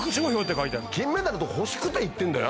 金メダル欲しくて行ってんだよ